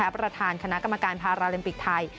ประธานคณะกรรมการพาราลิมปิกไทย